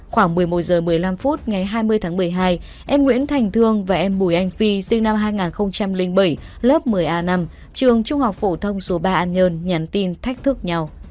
khoảng một mươi một h một mươi năm phút ngày hai mươi tháng một mươi hai em nguyễn thành thương và em bùi anh phi sinh năm hai nghìn bảy lớp một mươi a năm trường trung học phổ thông số ba an nhơn nhắn tin thách thức nhau